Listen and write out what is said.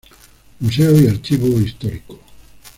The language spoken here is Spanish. Museo y Archivo Histórico.